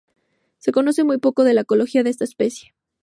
Se conoce muy poco de la ecología de esta especie.